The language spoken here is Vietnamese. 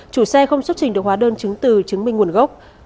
chủ xe không xuất trình được hóa đơn chứng từ chứng minh nguồn gốc